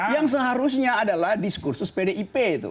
yang seharusnya adalah diskursus pdip itu